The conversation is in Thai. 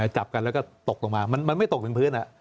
จับกันแล้วก็ตกลงมามันไม่ตกถึงพื้น